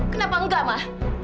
kenapa enggak ma